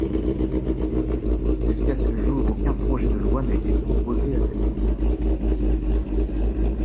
Jusqu'à ce jour, aucun projet de loi n'a été proposé à cet effet.